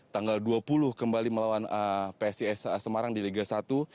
tanggal dua puluh kembali melawan psis semarang di liga satu